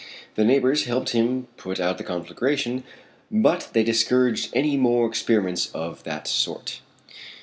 The neighbors helped him put out the conflagration, but they discouraged any more experiments of that sort.